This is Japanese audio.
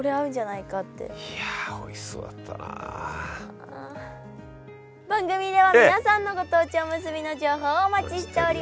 いや番組では皆さんのご当地おむすびの情報をお待ちしております。